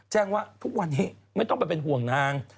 แจ้งว่าทุกวันนี้ไม่ต้องไปเป็นห่วงนาง